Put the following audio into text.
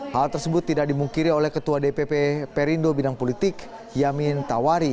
hal tersebut tidak dimungkiri oleh ketua dpp perindo bidang politik yamin tawari